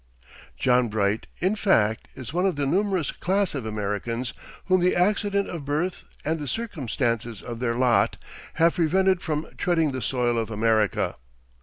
John Bright, in fact, is one of that numerous class of Americans whom the accident of birth and the circumstances of their lot have prevented from treading the soil of America.